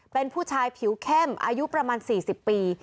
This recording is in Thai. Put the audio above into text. เป็นผู้ชายผิวเข้มอายุประมาณ๔๐ปี